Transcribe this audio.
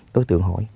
đối tượng hỏi